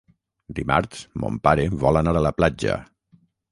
Dimarts mon pare vol anar a la platja.